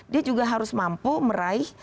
dia juga harus mampu meraih